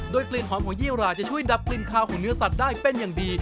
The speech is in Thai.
กลิ่นหอมของยี่หราจะช่วยดับกลิ่นคาวของเนื้อสัตว์ได้เป็นอย่างดี